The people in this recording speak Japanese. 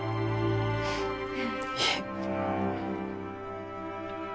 いえ。